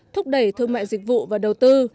thúc đẩy thương mại dịch vụ và đầu tư